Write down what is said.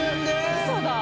ウソだ！